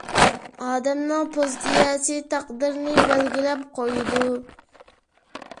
ئادەمنىڭ پوزىتسىيەسى تەقدىرىنى بەلگىلەپ قويىدۇ.